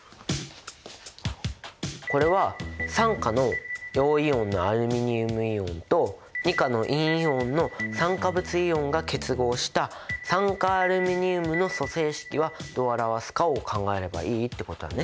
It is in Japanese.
これは３価の陽イオンのアルミニウムイオンと２価の陰イオンの酸化物イオンが結合した酸化アルミニウムの組成式はどう表すかを考えればいいってことだね。